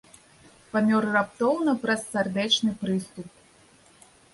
Памёр раптоўна праз сардэчны прыступ.